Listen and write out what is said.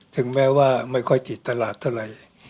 ถึงแม้ว่าไม่ค่อยติดตลาดเท่าไหร่